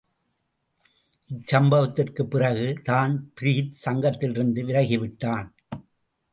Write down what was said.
இச்சம்பவத்திற்குப் பிறகு தான்பிரீத் சங்கத்திலிருந்து விலகி விட்டான்.